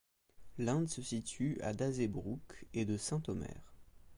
Lynde se situe à d'Hazebrouck et de Saint-Omer.